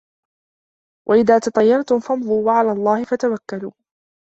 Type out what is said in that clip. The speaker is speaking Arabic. وَإِذَا تَطَيَّرْتُمْ فَامْضُوا وَعَلَى اللَّهِ فَتَوَكَّلُوا